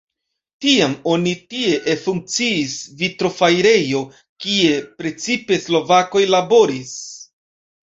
Tiam oni tie ekfunkciis vitrofarejo, kie precipe slovakoj laboris.